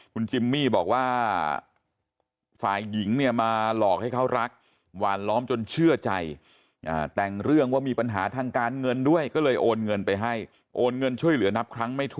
คุณจิมมี่บอกว่าฝ่ายหญิงเนี่ยมาหลอกให้เค้ารัก